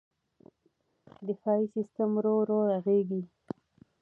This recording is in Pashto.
دفاعي سیستم ورو ورو رغېږي.